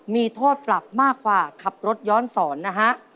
มีโทษปรับมากกว่าขับรถย้อนสอนนะฮะ